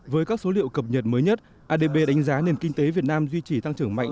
với các số liệu cập nhật mới nhất adb đánh giá nền kinh tế việt nam duy trì tăng trưởng mạnh